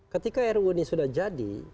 ketika ruu ini sudah jadi